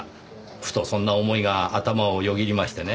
ふとそんな思いが頭をよぎりましてね。